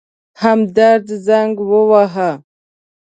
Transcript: همدرد زنګ وواهه.